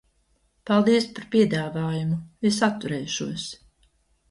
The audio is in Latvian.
Paldies par piedāvājumu, es atturēšos.